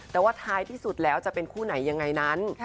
แต่ว่าท้ายที่สุดแล้วจะเป็นคู่ไหนยังไงนั้น